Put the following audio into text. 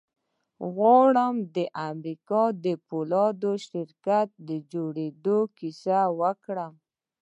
غواړم د امريکا د پولادو شرکت د جوړېدو کيسه وکړم.